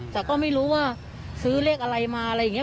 แต่ก็ไม่รู้ว่าซื้อเลขอะไรมาอะไรอย่างนี้